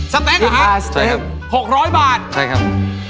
แป๊กเหรอฮะ๖๐๐บาทใช่ครับ